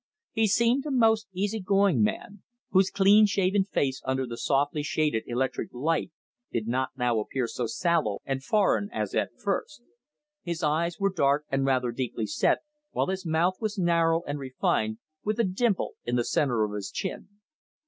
He seemed a most easy going man, whose clean shaven face under the softly shaded electric light did not now appear so sallow and foreign as at first. His eyes were dark and rather deeply set, while his mouth was narrow and refined, with a dimple in the centre of his chin.